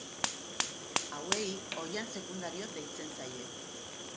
Hauei oihan sekundario deitzen zaie.